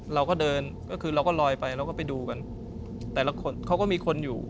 เราก็เดินก็คือเราก็ลอยไปเราก็ไปดูกันแต่ละคนเขาก็มีคนอยู่